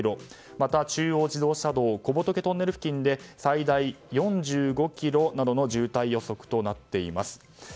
また中央自動車道小仏トンネル付近で最大４５ｋｍなどの渋滞予測となっています。